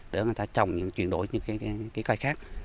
để người ta trồng chuyển đổi những cái cây khác